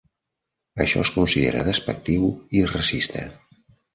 Això es considera despectiu i racista.